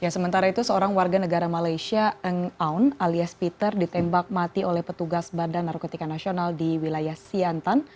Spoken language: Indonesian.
sementara itu seorang warga negara malaysia eng aun alias peter ditembak mati oleh petugas badan narkotika nasional di wilayah siantan